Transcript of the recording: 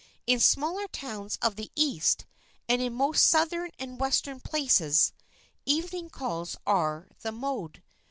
In smaller towns of the East and in most southern and western places, evening calls are the mode.